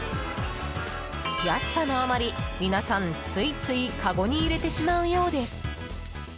安さのあまり皆さん、ついついかごに入れてしまうようです。